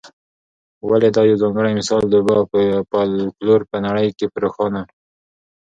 ولي دا یوځانګړی مثال د ادب او فلکلور په نړۍ کي په روښانه